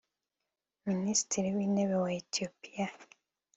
Minisitiri w’intebe wa Ethiopia